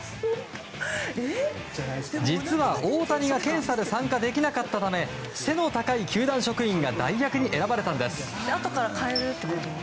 実は、大谷が検査で参加できなかったため背の高い球団職員が代役に選ばれたんです。